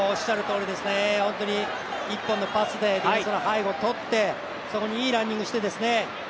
本当に１本のパスでディフェンスの背後をとって、そこにいいランニングをしてですね。